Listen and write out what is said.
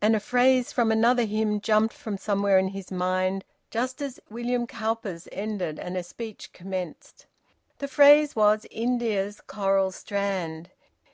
And a phrase from another hymn jumped from somewhere in his mind just as William Cowper's ended and a speech commenced. The phrase was `India's coral strand.'